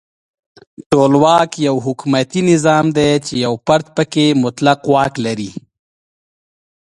ټولواک یو حکومتي نظام دی چې یو فرد پکې مطلق واک لري.